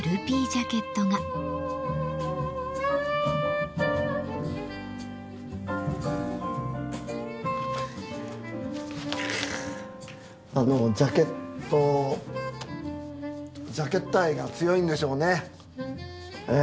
ジャケットジャケット愛が強いんでしょうね。